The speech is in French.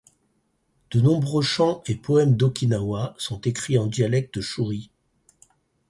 De nombreux chants et poèmes d'Okinawa sont écrits en dialecte shuri.